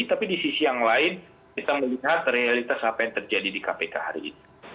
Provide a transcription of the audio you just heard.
tapi di sisi yang lain kita melihat realitas apa yang terjadi di kpk hari ini